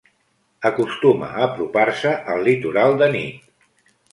Acostuma a apropar-se al litoral de nit.